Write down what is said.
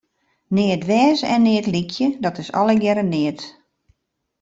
Neat wêze en neat lykje, dat is allegearre neat.